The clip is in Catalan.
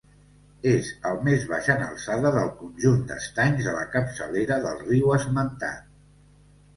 És el més baix en alçada del conjunt d'estanys de la capçalera del riu esmentat.